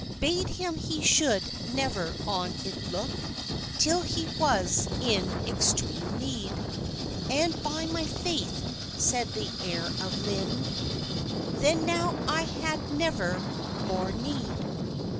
Bade him he should never on it looke Till he was in extreame neede, "And by my faith," said the heire of Lynne, "Then now I had never more neede."